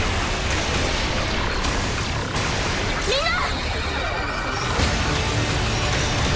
みんな！